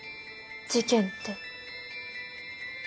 事件って？